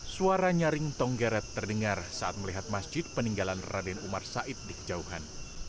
suara nyaring tonggeret terdengar saat melihat masjid peninggalan raden umar said di kejauhan